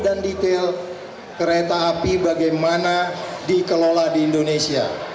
dan detail kereta api bagaimana dikelola di indonesia